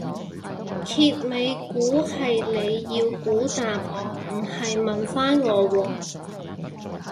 揭尾故係你要估答案唔係問返我喎